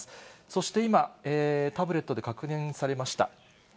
そして今、タブレットで確認されました。